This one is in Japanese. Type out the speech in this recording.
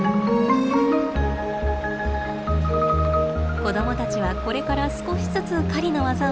子供たちはこれから少しずつ狩りの技を学び